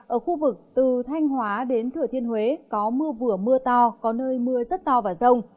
ở khu vực từ thanh hóa đến thừa thiên huế có mưa vừa mưa to có nơi mưa rất to và rông